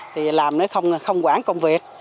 thì làm nó không quản công việc